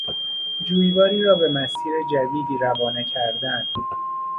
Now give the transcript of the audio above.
جویباری را به مسیر جدیدی روانه کردن